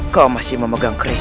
kau masih memegang keris